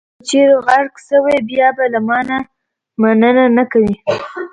که چېرې غرق شوئ، بیا به له ما مننه نه کوئ.